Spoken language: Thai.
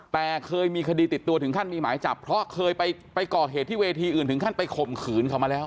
แต่เคยมีคดีติดตัวถึงขั้นมีหมายจับเพราะเคยไปก่อเหตุที่เวทีอื่นถึงขั้นไปข่มขืนเขามาแล้ว